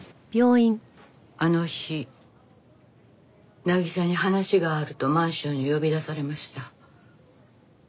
あの日渚に話があるとマンションに呼び出されました。